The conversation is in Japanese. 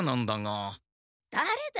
だれだ？